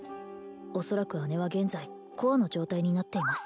恐らく姉は現在コアの状態になっています